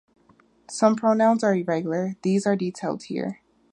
Some pronouns are irregular; these are detailed here.